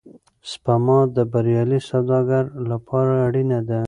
سپما د بریالي سوداګر لپاره اړینه ده.